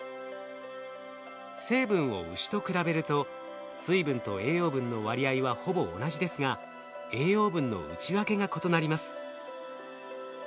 成分をウシと比べると水分と栄養分の割合はほぼ同じですが栄養分の内訳が異なります。